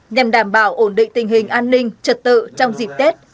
nhằm đảm bảo ổn định tình hình an ninh trật tự trong dịp tết